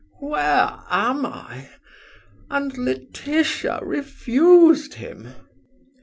"Where am I! And Laetitia refused him?"